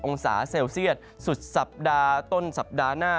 องศาเซลเซียตสุดสัปดาห์ต้นสัปดาห์หน้า